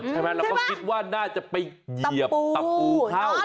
เราก็คิดว่าน่าจะไปเหยียบตะปูเข้า